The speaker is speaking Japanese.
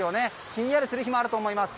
ひんやりする日もあると思います。